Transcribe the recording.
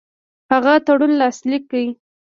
هغه تړون لاسلیک کړ.